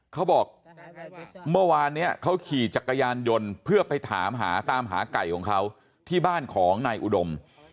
เขาบอกเมื่อวานนี้เขาขี่จักรยานยนต์เพื่อไปถามหาตามหาไก่ของเขาที่บ้านของนายอุดม